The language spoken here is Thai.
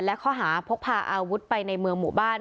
และข้อหาพกพาอาวุธไปในเมืองหมู่บ้าน